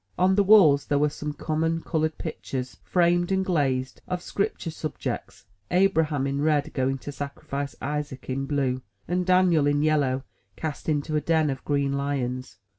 On the walls there were some common colored pictures, framed and glazed, of Scripture subjects; — ^Abraham in red going to sacrifice Isaac in blue, and Daniel in yellow cast into a den of green lions.